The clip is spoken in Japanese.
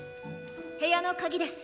部屋の鍵です。